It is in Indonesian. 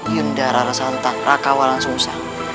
yunda rara santak raka walang sungsa